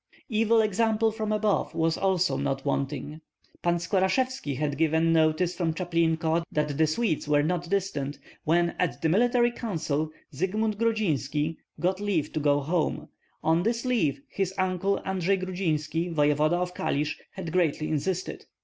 Evil example from above was also not wanting. Pan Skorashevski had given notice from Chaplinko that the Swedes were not distant, when at the military council Zygmunt Grudzinski got leave to go home; on this leave his uncle Andrei Grudzinski, voevoda of Kalisk, had greatly insisted.